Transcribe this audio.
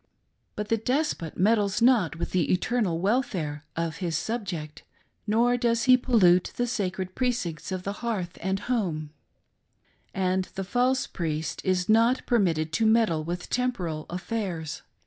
But the despot meddles not with the eternal welfare of his subject, nor does he pollute the sacred precincts of the hearth and home ; and the false priest is not permitted to meddle with temporal affairs.